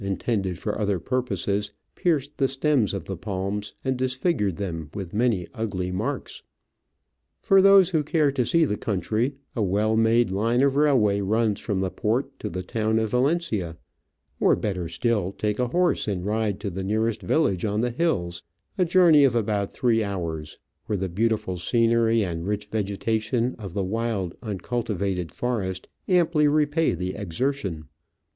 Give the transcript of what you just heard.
31 intended for other purposes pierced the stems of the palms and disfigured them with many ugly marks. For those who care to see the country, a well made line of railway runs from the port to the town of Valencia ; or, better still, take a horse and ride to the nearest village on the hills, a journey of about three hours, where the beautiful scenery and rich vegetation of the wild, uncultivated forest amply repay the exer tion.